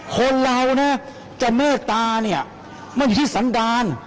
คนเรานะจะเม่ตาเนี่ยไม่มีที่สัญญาณ